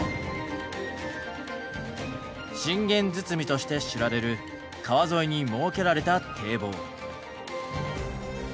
信玄堤として知られる川沿いに設けられた堤防。